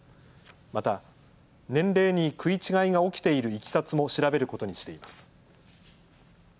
また年齢に食い違いが起きているいきさつも調べることにしています。